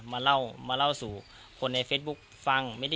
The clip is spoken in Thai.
มาเล่าสู่คนในเฟซบุ๊คฟัง